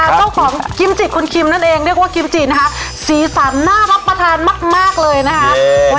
เจ้าของกิมจิคุณคิมนั่นเองเรียกว่ากิมจินะคะสีสันน่ารับประทานมากมากเลยนะคะ